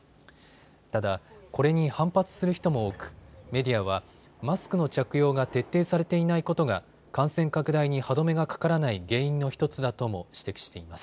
ただ、これに反発する人も多くメディアはマスクの着用が徹底されていないことが感染拡大に歯止めがかからない原因の１つだとも指摘しています。